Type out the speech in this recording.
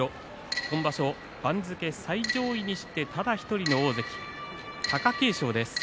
今場所番付最上位としてただ１人の大関貴景勝です。